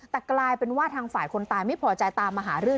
แต่กลายเป็นว่าทางฝ่ายคนตายไม่พอใจตามมาหาเรื่อง